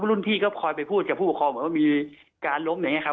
รุ่นพี่ก็คอยไปพูดกับผู้ปกครองเหมือนว่ามีการล้มอย่างนี้ครับ